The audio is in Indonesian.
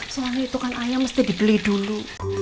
suami itu kan ayam mesti dibeli dulu